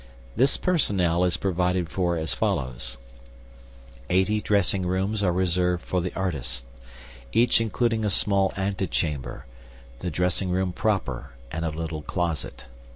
This personnel is provided for as follows: Eighty dressing rooms are reserved for the artists, each including a small antechamber, the dressing room proper, and a little closet.